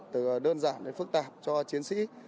từ đơn giản đến phức tạp cho chiến sĩ